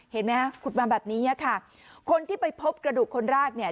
เห็นไหมฮะขุดมาแบบนี้ค่ะคนที่ไปพบกระดูกคนแรกเนี่ย